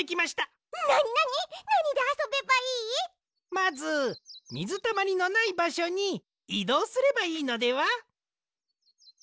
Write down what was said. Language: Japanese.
まずみずたまりのないばしょにいどうすればいいのでは？